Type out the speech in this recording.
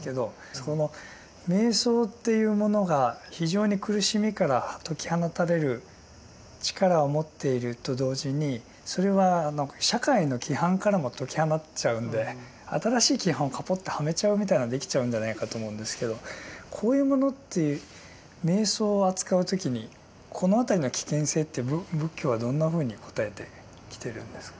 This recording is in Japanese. この瞑想っていうものが非常に苦しみから解き放たれる力を持っていると同時にそれは社会の規範からも解き放っちゃうんで新しい規範をカポッとはめちゃうみたいなのができちゃうんじゃないかと思うんですけどこういうものって瞑想を扱う時にこの辺りの危険性って仏教はどんなふうに答えてきてるんですか？